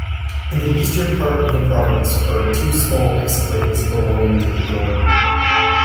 In the eastern part of the province are two small exclaves belonging to Bigorre.